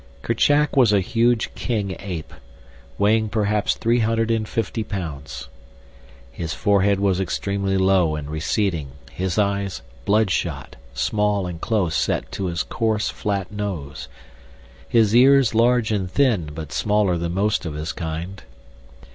Kerchak was a huge king ape, weighing perhaps three hundred and fifty pounds. His forehead was extremely low and receding, his eyes bloodshot, small and close set to his coarse, flat nose; his ears large and thin, but smaller than most of his kind.